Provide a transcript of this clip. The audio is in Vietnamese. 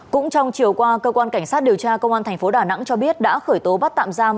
cũng trong chiều qua cơ quan cảnh sát điều tra công an thành phố đà nẵng cho biết đã khởi tố bắt tạm giam